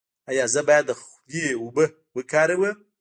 ایا زه باید د خولې اوبه وکاروم؟